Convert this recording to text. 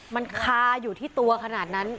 มันคาอยู่ที่ตัวขนาดนั้น